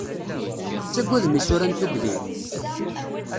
Tettagadem isura n tugdi?